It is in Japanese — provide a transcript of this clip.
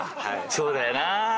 そうだよな。